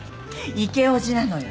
イケおじなのよ。